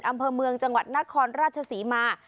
อำเภอเมืองจังหวัดนครราชศรีมา